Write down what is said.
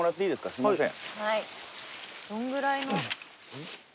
すいません。